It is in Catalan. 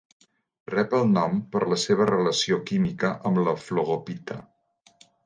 Rep el nom per la seva relació química amb la flogopita.